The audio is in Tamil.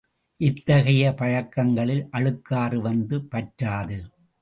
இத்தகைய பழக்கங்களில் அழுக்காறு வந்து பற்றாது.